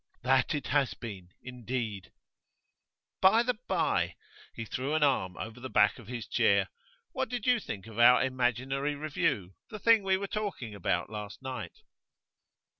'That it has been, indeed.' 'By the bye' he threw an arm over the back of his chair 'what did you think of our imaginary review, the thing we were talking about last night?